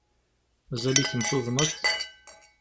Mazal-ikem tuḍneḍ?